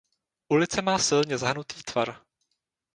Ulice má silně zahnutý tvar.